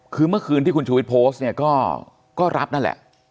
คือเมื่อคืนที่คุณชูวิทย์โพสต์เนี่ยก็รับนั่นแหละ